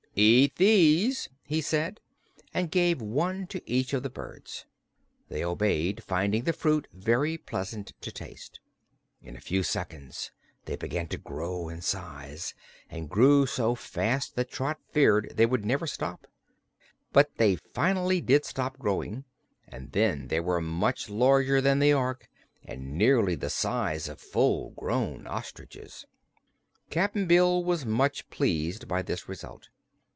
"Eat these," he said, and gave one to each of the birds. They obeyed, finding the fruit very pleasant to taste. In a few seconds they began to grow in size and grew so fast that Trot feared they would never stop. But they finally did stop growing, and then they were much larger than the Ork, and nearly the size of full grown ostriches. Cap'n Bill was much pleased by this result.